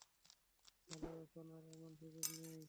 ভালো, এখন আর এমন সুযোগ নেই।